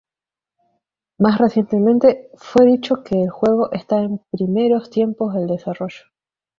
Más recientemente, fue dicho que el juego está en primeros tiempos del desarrollo.